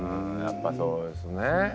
やっぱそうですね。